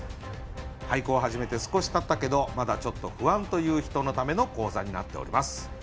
俳句を始めて少したったけどまだちょっと不安という人のための講座になっております。